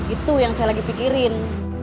itu yang saya lagi pikirin